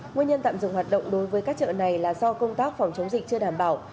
nguyên nhân tạm dừng hoạt động đối với các chợ này là do công tác phòng chống dịch chưa đảm bảo